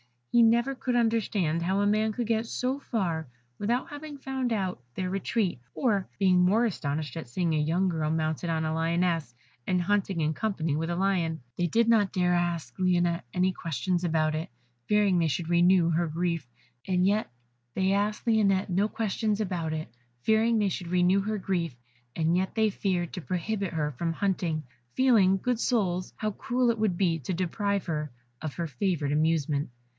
He never could understand how a man could get so far without having found out their retreat, or being more astonished at seeing a young girl mounted on a Lioness, and hunting in company with a Lion. They did not dare ask Lionette any questions about it, fearing they should renew her grief; and yet they feared to prohibit her from hunting, feeling, good souls, how cruel it would be to deprive her of her favourite amusement.